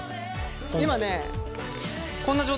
今ねこんな状態です。